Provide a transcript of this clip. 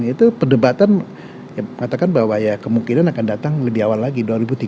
itu perdebatan mengatakan bahwa ya kemungkinan akan datang lebih awal lagi dua ribu tiga puluh